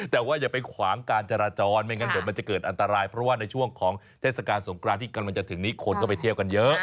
แต่ว่าอย่าไปขวางการจราจรไม่งั้นเดี๋ยวมันจะเกิดอันตรายเพราะว่าในช่วงของเทศกาลสงครานที่กำลังจะถึงนี้คนก็ไปเที่ยวกันเยอะ